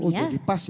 jadi pas ya